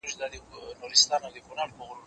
زه مينه څرګنده کړې ده!؟